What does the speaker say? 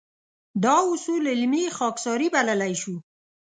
دا اصول علمي خاکساري بللی شو.